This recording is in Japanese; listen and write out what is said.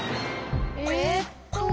えっと。